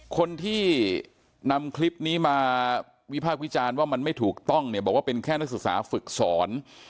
คนที่นำคลิปนี้มาวิพากษ์วิจารณ์ว่ามันไม่ถูกต้องเนี่ยบอกว่าเป็นแค่นักศึกษาฝึกสอน